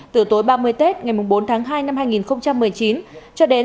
từ tối ba mươi tết ngày bốn tháng hai năm hai nghìn một mươi chín cho đến